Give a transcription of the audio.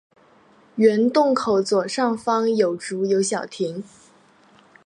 原洞口左上方有竹有小亭。